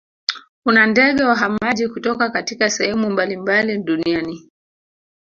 kuna ndege wahamaji kutoka katika sehemu mbalimbali duniani